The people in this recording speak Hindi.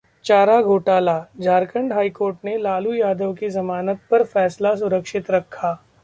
चारा घोटालाः झारखंड हाईकोर्ट ने लालू यादव की जमानत पर फैसला सुरक्षित रखा